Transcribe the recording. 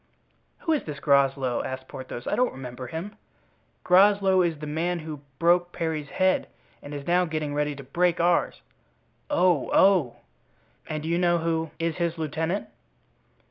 "Who is this Groslow?" asked Porthos. "I don't remember him." "Groslow is the man who broke Parry's head and is now getting ready to break ours." "Oh! oh!" "And do you know who is his lieutenant?"